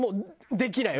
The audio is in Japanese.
できないよ。